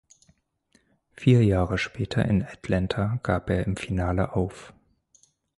Vier Jahre später in Atlanta gab er im Finale auf.